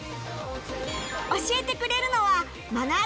教えてくれるのはマナー